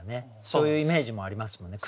そういうイメージもありますもんね。